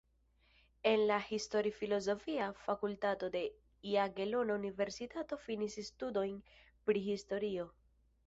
En la Histori-Filozofia Fakultato de Jagelona Universitato finis studojn pri historio.